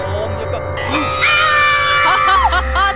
มันเดินแบบ